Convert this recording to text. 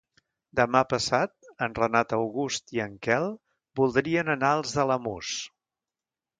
Demà passat en Renat August i en Quel voldrien anar als Alamús.